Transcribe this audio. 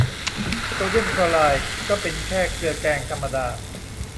โซเดียมคลอไรด์ก็เป็นแค่เกลือแกงธรรมดา